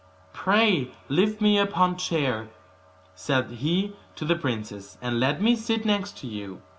'Pray lift me upon chair,' said he to the princess, 'and let me sit next to you.